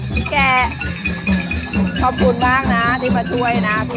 พี่แกขอบคุณมากนะที่มาช่วยนะ